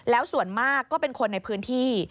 แล้วส่วนมากก็เป็นคนในพื้นที่